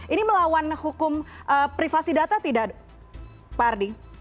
ini melawan hukum privasi data tidak pak ardi